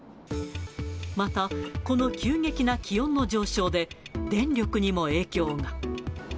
また、この急激な気温の上昇で、電力にも影響が。